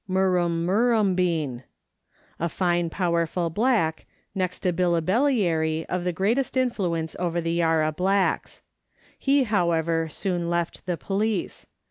Murrumbean (Mur rum Mur mm beari). A fine powerful black, next to Billibellary of the greatest influence over the Yarra blacks. He, however, soon left the police.